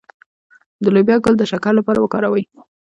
د لوبیا ګل د شکر لپاره وکاروئ